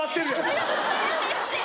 ありがとうございます！